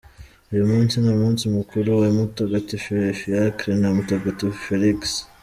Uyu munsi ni umunsi mukuru wa Mutagatifu Fiacre na Mutagatifu Felix.